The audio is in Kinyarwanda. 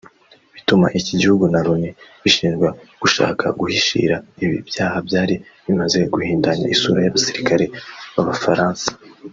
bituma iki gihugu na Loni bishinjwa gushaka guhishira ibi byaha byari bimaze guhindanya isura y’abasirikare b’Abafaransa